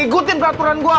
ikutin peraturan gua